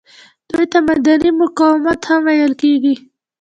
دې ته مدني مقاومت هم ویل کیږي.